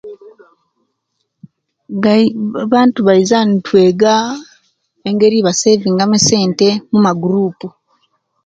Bai abantu baiza nitweega, engeri ejebasavinga mu esente omumagurupu.